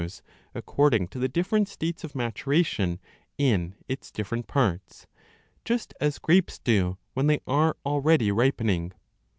796 b DE COLORIBUS according to the different states of maturation in its differ ent parts, just as grapes do when they are already ripening.